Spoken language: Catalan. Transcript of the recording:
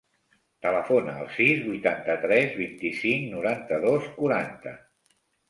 Telefona al sis, vuitanta-tres, vint-i-cinc, noranta-dos, quaranta.